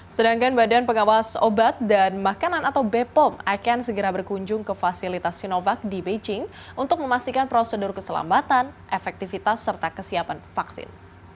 sedangkan badan pengawas obat dan makanan atau bepom akan segera berkunjung ke fasilitas sinovac di beijing untuk memastikan prosedur keselamatan efektivitas serta kesiapan vaksin